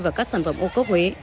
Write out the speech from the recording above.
và các sản phẩm ô cốt huế